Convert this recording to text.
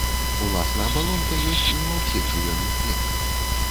Уласна абалонка ёсць не ва ўсіх жывёльных клетках.